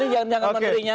ini jangan jangan menterinya